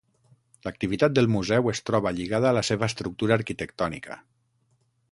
L'activitat del museu es troba lligada a la seva estructura arquitectònica.